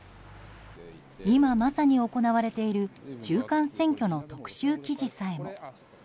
今、まさに行われている中間選挙の特集記事さえも。